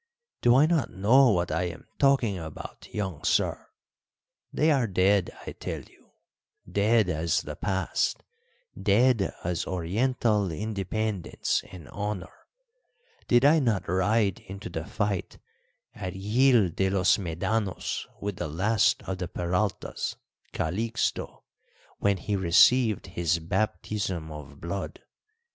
"Do I not know what I am talking about, young sir? They are dead, I tell you dead as the past, dead as Oriental independence and honour. Did I not ride into the fight at Gil de los Medanos with the last of the Peraltas, Calixto, when he received his baptism of blood?